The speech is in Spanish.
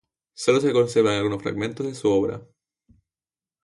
Sólo se conservan algunos fragmentos de su obra.